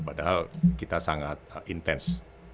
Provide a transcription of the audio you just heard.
padahal kita sangat intens